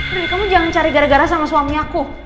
prih kamu jangan cari gara gara sama suamiku